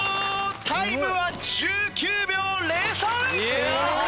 タイムは１９秒０３！